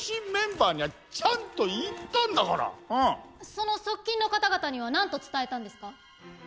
その側近の方々には何と伝えたんですか？